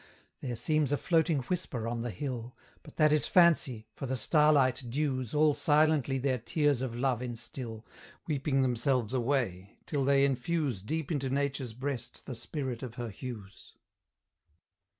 There seems a floating whisper on the hill, But that is fancy, for the starlight dews All silently their tears of love instil, Weeping themselves away, till they infuse Deep into Nature's breast the spirit of her hues.